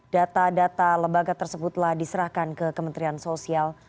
data data lebaga tersebutlah diserahkan ke kementerian sosial